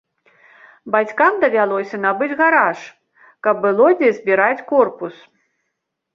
Бацькам давялося набыць гараж, каб было дзе збіраць корпус.